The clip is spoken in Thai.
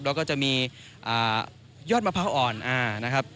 แล้วก็จะมียอดมะพร้าวอ่อนนะครับ